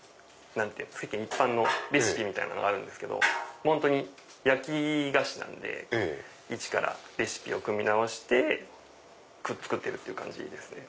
世間一般のレシピみたいなのがあるんですけど本当に焼き菓子なのでイチからレシピを組み直して作ってる感じですね。